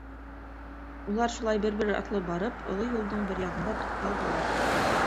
Улар шулай бер-бер артлы барып, оло юлдың бер яғында туҡталдылар.